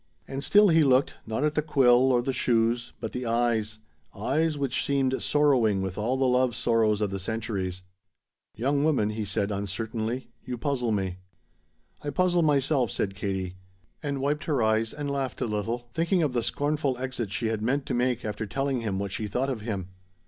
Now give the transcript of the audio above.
And still he looked, not at the quill or the shoes, but the eyes, eyes which seemed sorrowing with all the love sorrows of the centuries. "Young woman," he said uncertainly, "you puzzle me." "I puzzle myself," said Katie, and wiped her eyes and laughed a little, thinking of the scornful exit she had meant to make after telling him what she thought of him.